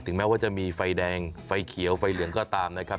แม้ว่าจะมีไฟแดงไฟเขียวไฟเหลืองก็ตามนะครับ